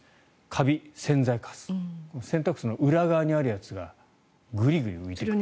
カビ、洗剤かす洗濯槽の裏側にあるやつがグリグリ浮いてくる。